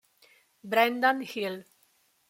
Brendan Hill